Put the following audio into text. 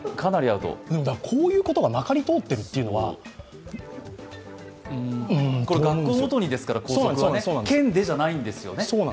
こういうことがまかり通っているということは学校ごとにですから、校則は、県でじゃないですから。